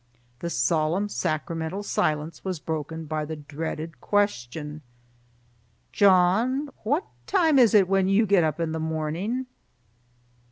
The solemn sacramental silence was broken by the dreaded question:— "John, what time is it when you get up in the morning?"